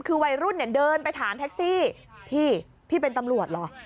คือวัยรุ่นเนี่ยเดินไปถามแท็กซี่พี่พี่เป็นตำรวจเหรอ